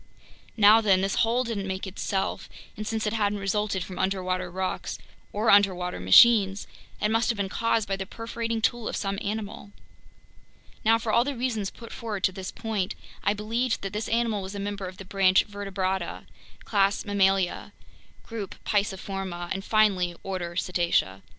Now then, this hole didn't make itself, and since it hadn't resulted from underwater rocks or underwater machines, it must have been caused by the perforating tool of some animal. Now, for all the reasons put forward to this point, I believed that this animal was a member of the branch Vertebrata, class Mammalia, group Pisciforma, and finally, order Cetacea.